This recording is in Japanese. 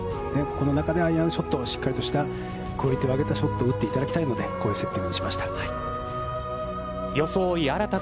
この中でアイアンショットをしっかりとしたクオリティーを上げたショットを打っていただきたいので、こういうセッティングにしました。